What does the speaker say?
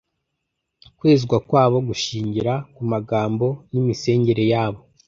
Kwezwa kwabo gushingira ku magambo n’imisengere yabo